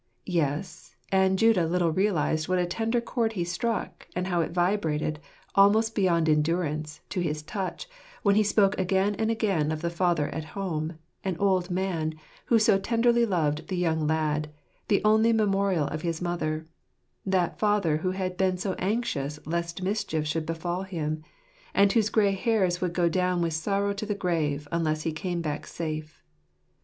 Yes ; and Judah little realized what a tender chord he struck, and how it vibrated, almost beyond endurance, to his touch, when he spoke again and again of the father at home, an old man, who so tenderly loved the young lad, the only memorial of his mother: that father who had been so anxious lest mischief should befal him ; and whose grey hairs would go down with sorrow to the grave, unless he came back safe.